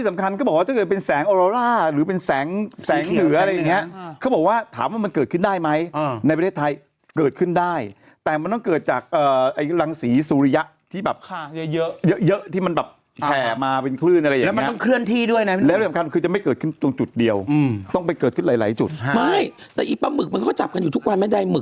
สายคุณไม่ได้คือมีพี่ชาวแล้วมีหนูต่อแล้วมีพี่หนุ่มต่ออย่างนี้